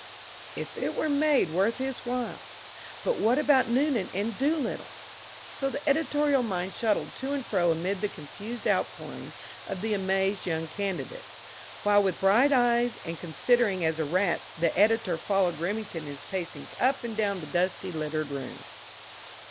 If it were made worth his while. But what about Noonan and Doolittle? So the editorial mind shuttled to and fro amid the confused outpourings of the amazed young candidate, while with eyes bright and considering as a rat's the editor followed Remington in his pacings up and down the dusty, littered room.